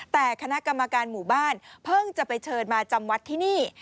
แต่คณะกรรมการหมู่บ้านเพิ่งจะไปเชิญมาจำวัดที่นี่